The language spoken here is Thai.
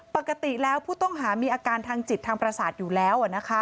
ปกติแล้วผู้ต้องหามีอาการทางจิตทางประสาทอยู่แล้ว